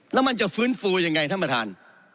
แล้วมันจะฟื้นฟูยังไงท่านประธาน